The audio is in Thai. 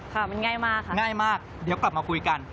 ค่ะมันง่ายมากค่ะง่ายมากเดี๋ยวกลับมาคุยกัน